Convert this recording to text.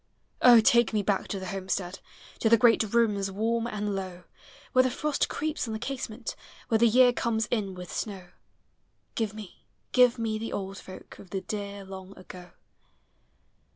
O ! take me back to the homestead. To the great rooms warm and low, Where the frost creeps on the casement, When the year comes in with snow. Give me, give me the old folk Of the dear long ago.